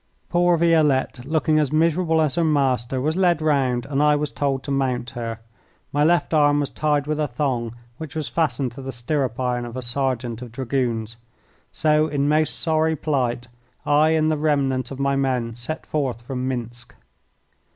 Poor Violette, looking as miserable as her master, was led round and I was told to mount her. My left arm was tied with a thong which was fastened to the stirrup iron of a sergeant of Dragoons. So in most sorry plight I and the remnant of my men set forth from Minsk.